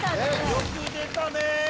よく出たね。